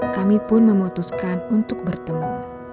kami pun memutuskan untuk bertemu